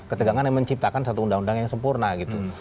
ketegangan yang menciptakan satu undang undang yang sempurna gitu